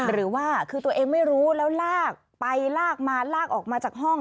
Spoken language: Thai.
หรือว่าคือตัวเองไม่รู้แล้วลากไปลากมาลากออกมาจากห้อง